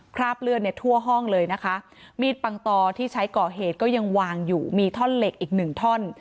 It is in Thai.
คราบเลือดเนี่ยทั่วห้องเลยนะคะมีดปังตอที่ใช้ก่อเหตุก็ยังวางอยู่มีท่อนเหล็กอีกหนึ่งท่อน